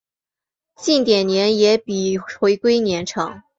近点年也比回归年长。